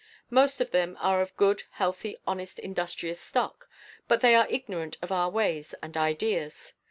Most of them are of good, healthy, honest, industrious stock, but they are ignorant of our ways and ideas.